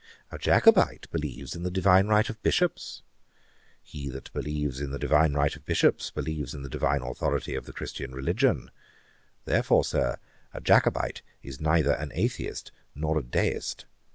A Jacobite believes in the divine right of Bishops. He that believes in the divine right of Bishops believes in the divine authority of the Christian religion. Therefore, Sir, a Jacobite is neither an Atheist nor a Deist.